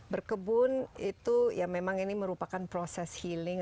berkebun itu ya memang ini merupakan proses healing